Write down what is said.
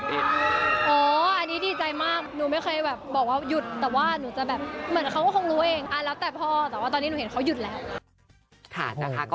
อ๋ออันนี้ดีใจมาก